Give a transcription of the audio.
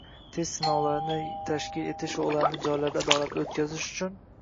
Test sinovlarini tashkil etish va ularni joylarda adolatli o‘tkazish uchun